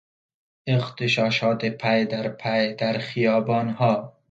اغتشاشات پیدرپی در خیابانها